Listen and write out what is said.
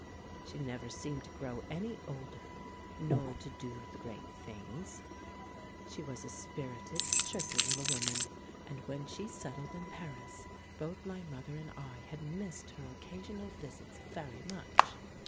She never seemed to grow any older, nor to do the great things. She was a spirited, chirpy little woman, and when she set tled in Paris both my mother and I had missed her occasional visits very much.